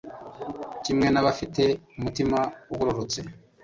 kimwe n'abafite umutima ugororotse